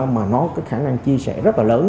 mà nó cái khả năng chia sẻ rất là lớn